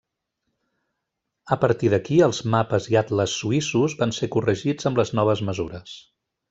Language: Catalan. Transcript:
A partir d'aquí els mapes i atles suïssos van ser corregits amb les noves mesures.